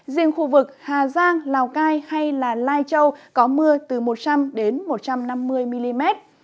riêng khu vực hà giang lào cai hay lai châu có mưa từ một trăm linh một trăm năm mươi mm